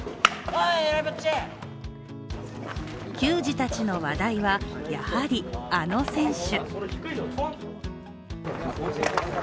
球児たちの話題はやはりあの選手。